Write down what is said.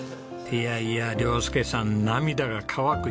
いやいや亮佑さん涙が乾く